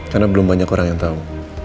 karena belum banyak orang yang tahu